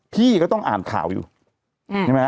พี่ก็ต้องอ่านข่าวอยู่ใช่ไหม